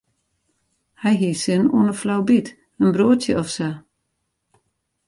Hy hie sin oan in flaubyt, in broadsje of sa.